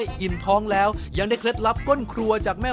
เย็นแบบนี้ขอขอบคุณซอสไฮนะครับ